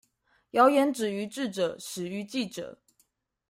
謠言止於智者，始於記者